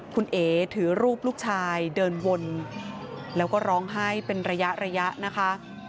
คุณเอ๋ถือรูปลูกชายเดินวนแล้วก็ร้องไห้เป็นระยะระยะนะคะ